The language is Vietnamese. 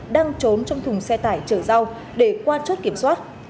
đang trốn trong thùng xe tải chở rau để qua chốt kiểm soát